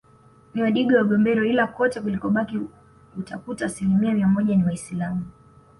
Ni wadigo wa Gombero Ila kote kulikobaki utakuta asilimia mia moja ni waisilamu